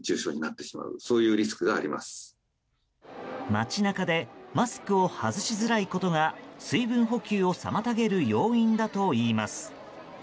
街中でマスクを外しづらいことが水分補給を妨げる要因だといいます。